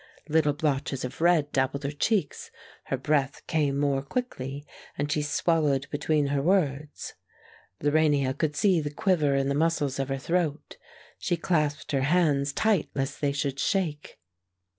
Little blotches of red dabbled her cheeks, her breath came more quickly, and she swallowed between her words. Lorania could see the quiver in the muscles of her throat. She clasped her hands tight lest they should shake.